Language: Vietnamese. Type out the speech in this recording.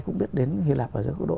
cũng biết đến hy lạp ở những cơ độ